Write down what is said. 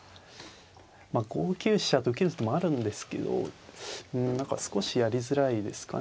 まあ５九飛車と受ける手もあるんですけどうん何か少しやりづらいですかね。